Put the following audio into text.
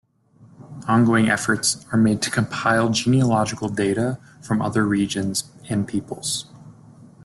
Ongoing efforts are made to compile genealogical data from other regions and peoples.